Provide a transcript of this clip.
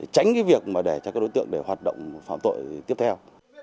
tránh cái việc mà để cho các đối tượng để hoạt động phạm tội tiếp theo